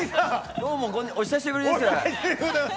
どうも、お久しぶりです。